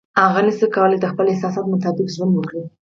هغه نشي کولای د خپل احساس مطابق ژوند وکړي.